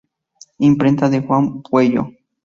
Imprenta de Juan Pueyo.